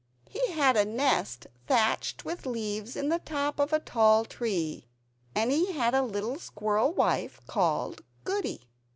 He had a nest thatched with leaves in the top of a tall tree; and he had a little squirrel wife called Goody.